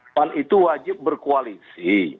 ketua umum itu wajib berkoalisi